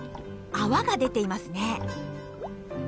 泡が出ていますね。